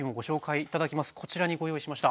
こちらにご用意しました。